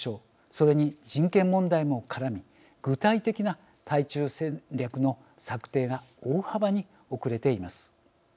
それに、人権問題も絡み具体的な対中戦略の策定が大幅に遅れています。